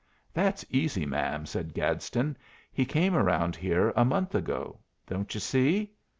"That's easy, ma'am," said Gadsden; "he came around here a month ago. Don't you see?"